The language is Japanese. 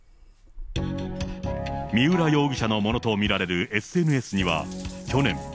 三浦容疑者のものと見られるＳＮＳには、去年。